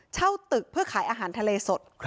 เช่าตึกเพื่อขายอาหารทะเลสด